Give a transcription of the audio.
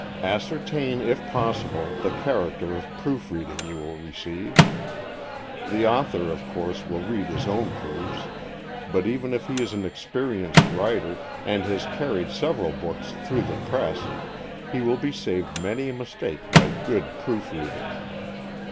Ascertain, if possible, the character of proof reading you will receive. The author, of course, will read his own proofs, but even if he is an experienced writer, and has carried several books through the press, he will be saved many a mistake by good proof reading.